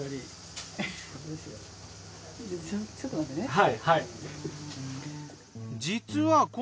はいはい。